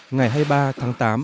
ngày hai mươi ba tháng tám